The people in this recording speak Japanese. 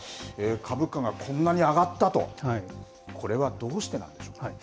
株価がこんなに上がったと、これはどうしてなんですか。